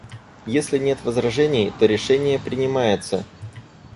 Если нет возражений, то решение принимается.